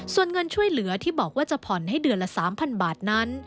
ส่วนเงินช่วยเหลือที่บอกว่าจะผ่อนให้เดือนละ๓๐๐บาทนั้น